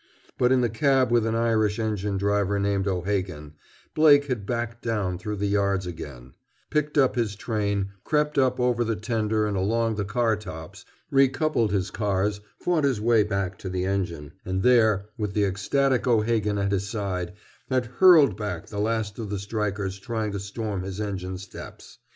But in the cab with an Irish engine driver named O'Hagan, Blake had backed down through the yards again, picked up his train, crept up over the tender and along the car tops, recoupled his cars, fought his way back to the engine, and there, with the ecstatic O'Hagan at his side, had hurled back the last of the strikers trying to storm his engine steps.